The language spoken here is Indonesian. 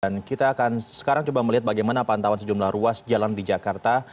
dan kita akan sekarang coba melihat bagaimana pantauan sejumlah ruas jalan di jakarta